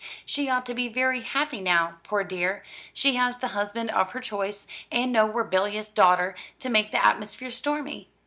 She ought to be very happy now, poor dear; she has the husband of her choice, and no rebellious daughter to make the atmosphere stormy.